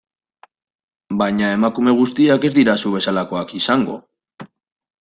Baina emakume guztiak ez dira zu bezalakoak izango...